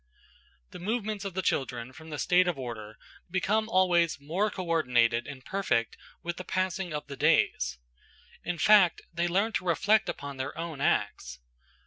The movements of the children from the state of order become always more co ordinated and perfect with the passing of the days; in fact, they learn to reflect upon their own acts.